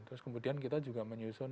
terus kemudian kita juga menyusun